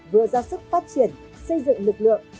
vừa ra sức phát triển xây dựng lực lượng